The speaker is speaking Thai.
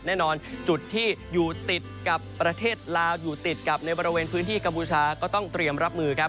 แน่นอนจุดที่อยู่ติดกับประเทศลาวอยู่ติดกับในบริเวณพื้นที่กัมพูชาก็ต้องเตรียมรับมือครับ